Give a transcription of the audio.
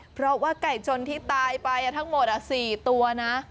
เพราะว่าไก่ชนที่ตายไปทั้งหมด๔ตัวนะ